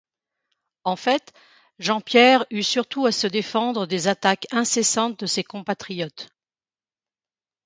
En fait, Jean-Pierre eût surtout à se défendre des attaques incessantes de ses compatriotes.